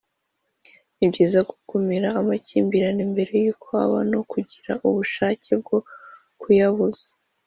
Ni byiza gukumira amakimbirane mbere yuko aba no kugira ubushake bwo kuyabuza